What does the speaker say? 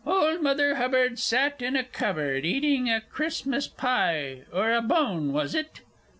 _) "Old Mother Hubbard sat in a cupboard, eating a Christmas pie or a bone was it?"